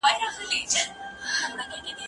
زه به د کتابتون لپاره کار کړي وي!؟